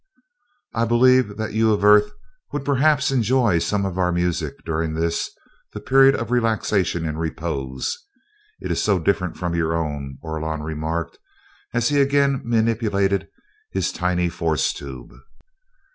"I believe that you of Earth would perhaps enjoy some of our music during this, the period of relaxation and repose it is so different from your own," Orlon remarked, as he again manipulated his tiny force tube.